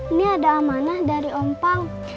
ini ada amanah dari om pang